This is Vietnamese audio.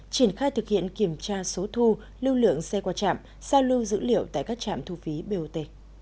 triển khai thực hiện kiểm tra số thu lưu lượng xe qua trạm sao lưu dữ liệu tại các trạm thu phí bot